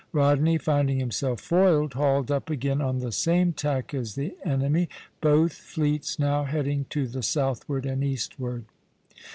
Rodney, finding himself foiled, hauled up again on the same tack as the enemy, both fleets now heading to the southward and eastward.